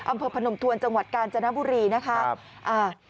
อำเภอผนมทวนจังหวัดกาลจนบุรีนะคะ